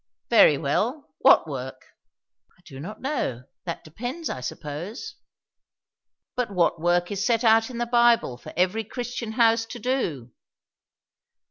"Very well. What work?" "I do not know. That depends, I suppose." "But what work is set out in the Bible for every Christian house to do?"